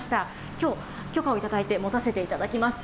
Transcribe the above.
きょう、許可をいただいて持たせていただきます。